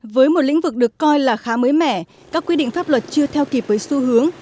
với một lĩnh vực được coi là khá mới mẻ các quy định pháp luật chưa theo kịp với xu hướng